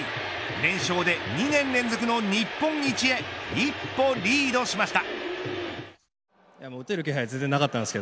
連勝で２年連続の日本一へ一歩リードしました。